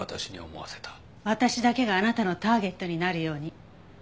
私だけがあなたのターゲットになるように。